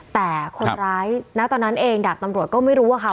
แต่คนร้ายณตอนนั้นเองดาบตำรวจก็ไม่รู้อะค่ะ